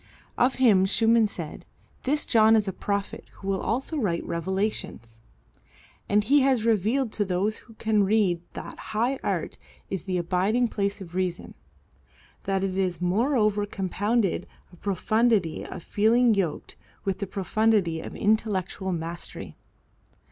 Of him Schumann said, "This John is a prophet who will also write revelations," and he has revealed to those who can read that high art is the abiding place of reason, that it is moreover compounded of profundity of feeling yoked with profundity of intellectual mastery.